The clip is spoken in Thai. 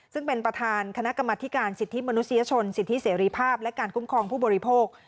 ซึ่งเป็นประธานคณะกรรมธิการสิทธิมนุษยชนสิทธิเสรีภาพและการคุ้มครองผู้บริโภค